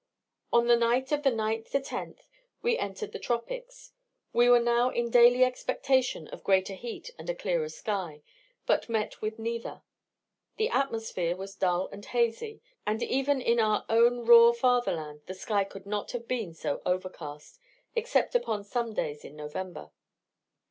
In the night of the 9 10th we entered the tropics. We were now in daily expectation of greater heat and a clearer sky, but met with neither. The atmosphere was dull and hazy, and even in our own raw fatherland the sky could not have been so overcast, except upon some days in November.